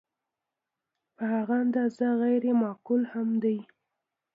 په هغه اندازه غیر معقول هم دی.